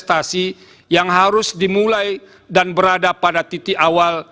investasi yang harus dimulai dan berada pada titik awal